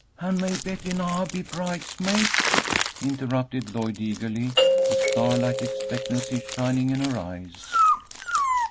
"And may Betty and I be bridesmaids?" interrupted Lloyd, eagerly, a starlike expectancy shining in her eyes.